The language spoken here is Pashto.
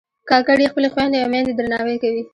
کاکړي خپلې خویندې او میندې درناوي کوي.